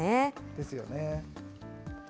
ですよね。